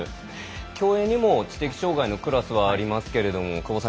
競泳にも知的障がいのクラスはありますけれども久保さん